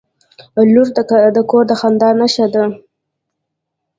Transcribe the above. • لور د کور د خندا نښه ده.